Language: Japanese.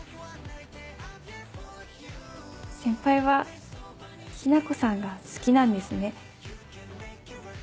先輩は雛子さんが好きなんですね。